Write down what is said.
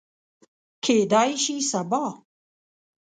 کیدای شي سبا